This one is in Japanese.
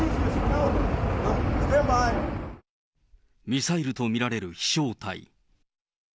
ミサイルと見られる飛しょう体。